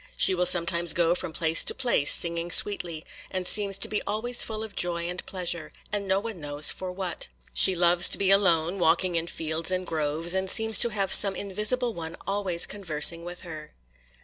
She will sometimes go from place to place singing sweetly, and seems to be always full of joy and pleasure; and no one knows for what. She loves to be alone, walking in fields and groves, and seems to have some invisible one always conversing with her.